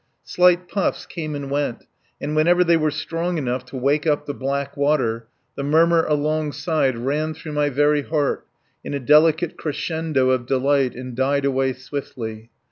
Slight puffs came and went, and whenever they were strong enough to wake up the black water the murmur alongside ran through my very heart in a delicate crescendo of delight and died away swiftly.